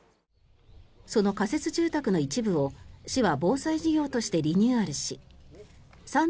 その仮設住宅の一部を市は防災事業としてリニューアルし３．１１